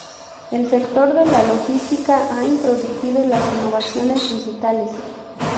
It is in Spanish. El sector de la logística ha introducido las innovaciones digitales.